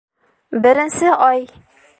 Беренсе ай.